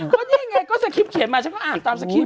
ก็นี่ไงก็สคริปเขียนมาฉันก็อ่านตามสคริป